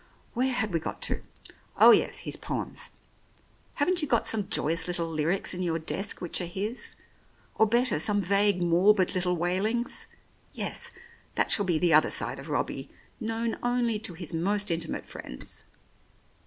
... Where had we got to? Oh, yes, his poems. Haven't you got some joyous little lyrics in your desk which are his? Or better, some vague morbid little wailings? Yes: that shall be the other side of Robbie, known only to his most intimate friends.